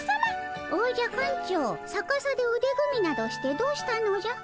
おじゃ館長さかさでうで組みなどしてどうしたのじゃ？